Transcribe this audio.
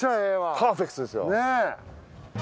パーフェクトですよ。